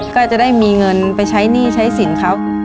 ก็จะได้มีเงินไปใช้หนี้ใช้สินเขา